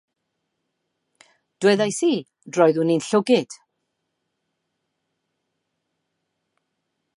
Dywedais, 'Roeddwn i'n llwglyd'.